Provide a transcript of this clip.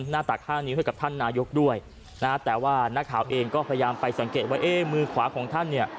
หน้าตาก๕นิ้วไปกับนายกแต่ว่านักข่าวเองก็พยายามไปสังเกตว่ามือขวาของท่าน